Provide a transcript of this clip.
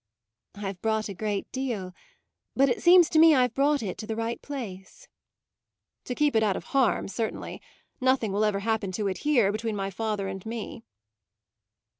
"I've brought a great deal; but it seems to me I've brought it to the right place." "To keep it out of harm, certainly; nothing will ever happen to it here, between my father and me."